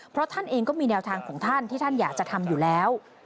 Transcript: เพราะท่านเองก็มีแนวทางของท่านที่ท่านอยากจะทำอยู่แล้ว